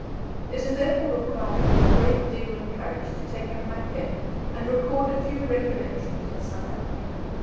It has therefore required a great deal of courage to take up my pen and record a few recollections of South Africa.